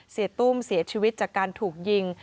ตุ้มเสียชีวิตจากการถูกยิง